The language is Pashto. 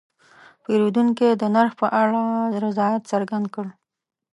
پیرودونکی د نرخ په اړه رضایت څرګند کړ.